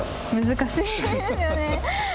難しいですよね。